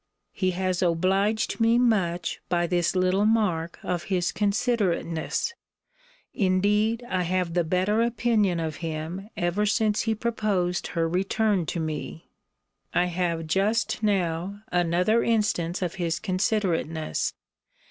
He has obliged me much by this little mark of his considerateness. Indeed I have the better opinion of him ever since he proposed her return to me. I have just now another instance of his considerateness.